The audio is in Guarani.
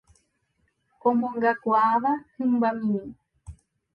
omongakuaáva hymbamimi